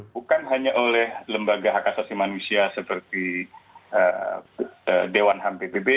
bukan hanya oleh lembaga hak asasi manusia seperti dewan ham pbb